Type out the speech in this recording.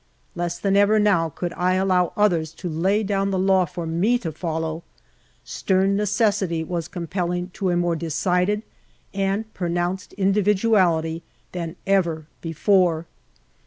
Less than ever now could I allow others to lay down the law for me to follow ; stern necessity was com peting to a more decided and pronounced individuality than ever before.